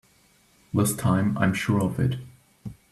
This time I'm sure of it!